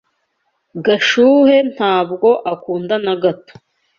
Gashuhe ntabwo akunda na gato.